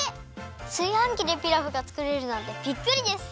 すいはんきでピラフがつくれるなんてびっくりです！